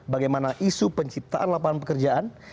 bagaimana isu penciptaan lapangan pekerjaan